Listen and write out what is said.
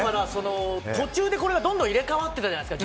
途中で、これがどんどん入れ替わってたじゃないですか